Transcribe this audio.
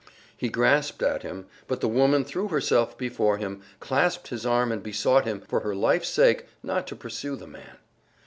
He grasped at him, but the woman threw herself before him, clasped his arm and besought him, for her life's sake, not to pursue the man.